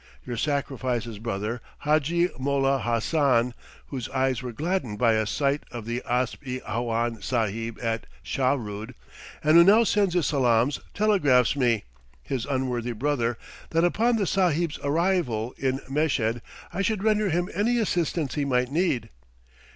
Your sacrifice's brother, Hadji Mollah Hassan, whose eyes were gladdened by a sight of the asp i awhan Sahib at Shahrood, and who now sends his salaams, telegraphs me his unworthy brother that upon the Sahib's arrival in Meshed I should render him any assistance he might need.